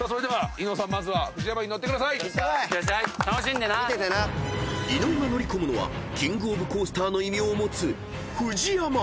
［伊野尾が乗り込むのはキング・オブ・コースターの異名を持つＦＵＪＩＹＡＭＡ］